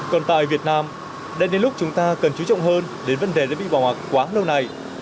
còn tại việt nam đây là lúc chúng ta cần chú trọng hơn đến vấn đề đến vị văn hóa quá lâu nay